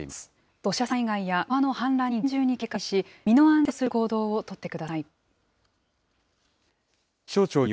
土砂災害や川の氾濫に厳重に警戒し、身の安全を確保する行動を取ってください。